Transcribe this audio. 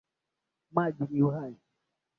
Maji ni uhai